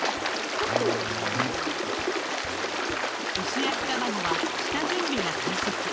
薄焼き卵は下準備が大切。